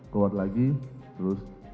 keluar lagi terus